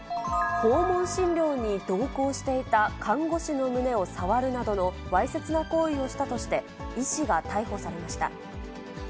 訪問診療に同行していた看護師の胸を触るなどのわいせつな行為をしたとして、医師が逮捕されました。